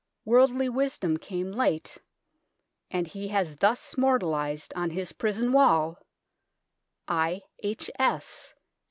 Worldly wisdom came late, and he has thus moralized on his prison wall :" I.